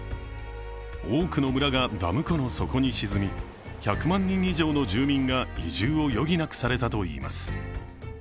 多くの村がダム湖の底に沈み１００万人も以上の住民が移住を余儀なくされたといいます。